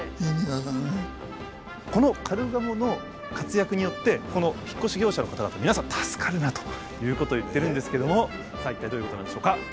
このカルガモの活躍によってこの引っ越し業者の方々皆さん助かるなあということを言ってるんですけどもさあ一体どういうことなんでしょうか。